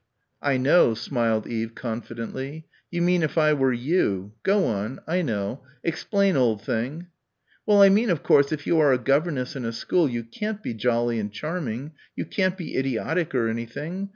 "I know," smiled Eve confidently. "You mean if I were you. Go on. I know. Explain, old thing." "Well, I mean of course if you are a governess in a school you can't be jolly and charming. You can't be idiotic or anything....